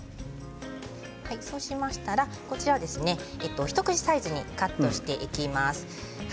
そうしましたら一口サイズにカットしていきます。